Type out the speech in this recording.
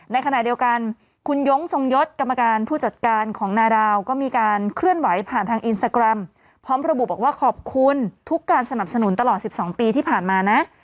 ในขณะเดียวกันคุณย้งทรงยศกรรมการผู้จัดการของนาดาวก็มีการเคลื่อนไหวผ่านทางอินสตาแกรมพร้อมระบุบอกว่าขอบคุณทุกการสนับสนุนตลอด๑๒ปีที่ผ่านมานะ